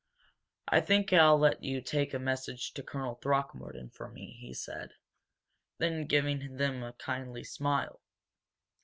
"I think I'll let you take a message to Colonel Throckmorton for me," he said, then, giving them a kindly smile.